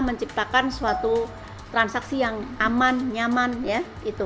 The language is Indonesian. menciptakan suatu transaksi yang aman nyaman ya itu